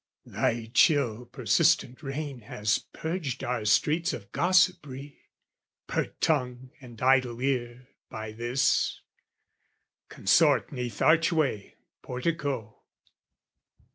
Thy chill persistent rain has purged our streets Of gossipry; pert tongue and idle ear By this, consort 'neath archway, portico.